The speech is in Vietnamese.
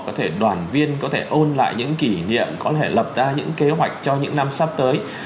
có thể đoàn viên có thể ôn lại những kỷ niệm có thể lập ra những kế hoạch cho những năm sắp tới